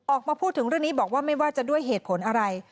ออกมาพูดถึงเรื่องนี้บอกว่าไม่ว่าจะด้วยเหตุผลอะไร